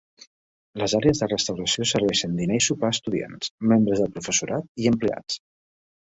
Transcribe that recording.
Les àrees de restauració serveixen dinar i sopar a estudiants, membres del professorat i empleats.